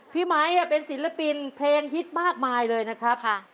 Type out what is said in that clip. ไมค์เป็นศิลปินเพลงฮิตมากมายเลยนะครับ